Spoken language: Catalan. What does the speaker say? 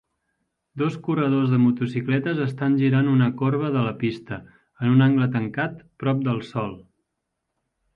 Dos corredors de motocicletes estan girant una corba de la pista, en un angle tancat, prop del sòl